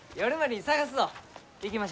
行きましょうか。